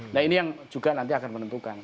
nah ini yang juga nanti akan menentukan